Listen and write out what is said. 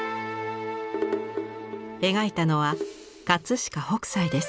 描いたのは飾北斎です。